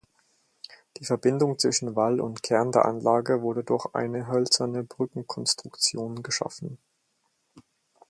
Die Verbindung zwischen Wall und Kern der Anlage wurde durch eine hölzerne Brückenkonstruktion geschaffen.